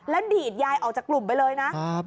แล้วดีดยายออกจากกลุ่มไปเลยนะ